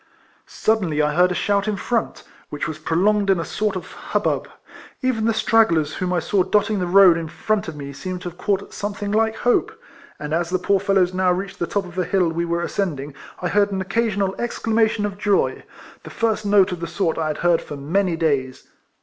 Suddenly I heard a shout in front, wliich was prolonged in a sort of hubbub. Even the stragglers whom I saw dotting the road in front of me seemed to have KIFLEAIAN HARRIS. 229 caught at sometliing like hope; and as the poor fellows now reached the top of a hill we were ascending!;, I heard an occa sional exclamation of joy — the first note of the sort I had heard for many days.